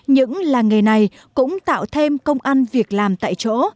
những làng nghề này cũng tạo thêm công ăn việc làm tại chỗ